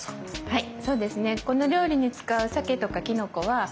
はい。